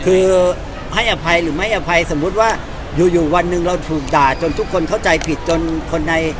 คือให้อภัยหรือไม่อภัยสมมุติว่าอยู่อยู่วันหนึ่งเราถูกด่าจนทุกคนเข้าใจผิดจนคนใน